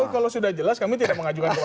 kalau sudah jelas kami tidak mengajukan kewajiban